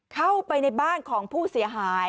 เข้าไปในบ้านของผู้เสียหาย